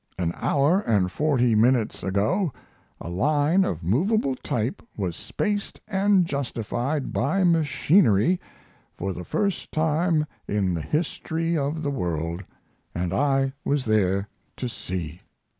An hour and forty minutes ago a line of movable type was spaced and justified by machinery for the first time in the history of the world. And I was there to see.